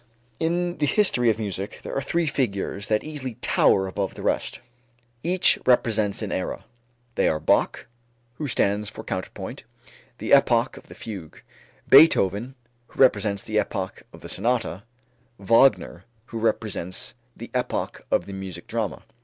In the history of music there are three figures that easily tower above the rest. Each represents an era. They are Bach, who stands for counterpoint, the epoch of the fugue; Beethoven, who represents the epoch of the sonata; Wagner, who represents the epoch of the music drama.